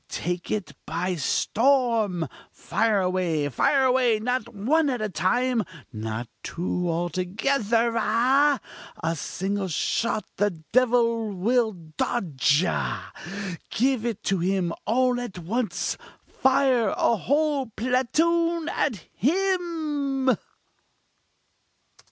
take it by storm! fire away! fire away! not one at a time! not two together ah! a single shot the devil will dodge ah! give it to him all at once fire a whole platoon! at him!!"